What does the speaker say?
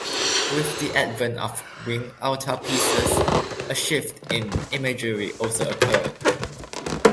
With the advent of winged altarpieces, a shift in imagery also occurred.